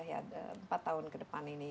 kita sudah empat tahun ke depan ini